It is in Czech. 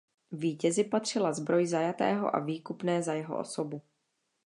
Vítězi patřila zbroj zajatého a výkupné za jeho osobu.